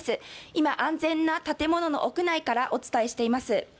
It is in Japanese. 今、安全な建物の屋内からお伝えしています。